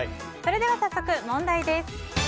それでは、問題です。